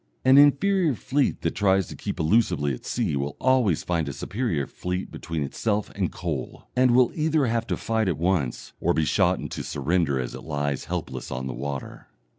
An inferior fleet that tries to keep elusively at sea will always find a superior fleet between itself and coal, and will either have to fight at once or be shot into surrender as it lies helpless on the water.